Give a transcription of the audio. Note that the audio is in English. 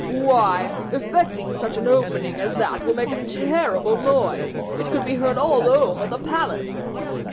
"Why, effecting such an opening as that will make a terrible noise: it could be heard all over the palace."